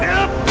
aku ada di sini